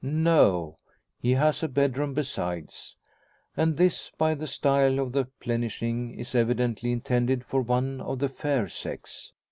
No; he has a bedroom besides. And this, by the style of the plenishing, is evidently intended for one of the fair sex.